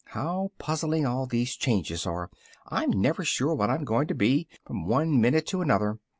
How puzzling all these changes are! I'm never sure what I'm going to be, from one minute to another!